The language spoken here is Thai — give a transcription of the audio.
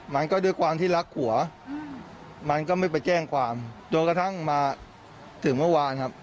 มันก็ด้วยความที่รักผัวมันก็ไม่ไปแจ้งความจนกระทั่งมาถึงเมื่อวานครับ